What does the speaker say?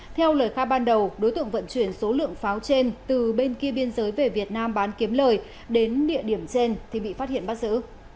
theo lời khai ban đầu đối tượng vận chuyển số lượng pháo trên từ bên kia biên giới về việt nam bán kiếm lời đến địa điểm trên thì bị phát hiện bắt giữ